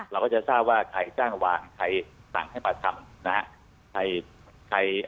เราก็จะทราบว่าใครจ้างวางใครสั่งให้มาทำนะฮะ